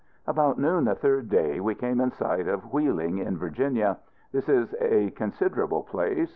About noon the third day, we came in sight of Wheeling, in Virginia. This is a considerable place.